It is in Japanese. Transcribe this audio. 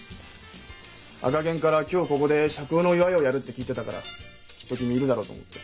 赤ゲンから今日ここで釈放の祝いをやるって聞いてたからきっと君いるだろうと思って。